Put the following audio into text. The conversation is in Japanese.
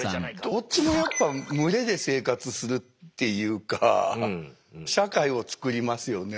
どっちもやっぱ群れで生活するっていうか社会を作りますよね